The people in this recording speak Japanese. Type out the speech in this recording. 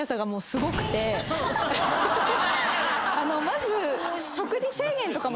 まず。